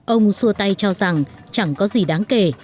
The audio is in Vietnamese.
ông xua tay cho rằng chẳng có gì đáng kể